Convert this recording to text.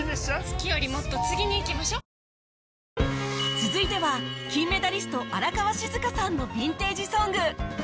続いては金メダリスト荒川静香さんのヴィンテージ・ソング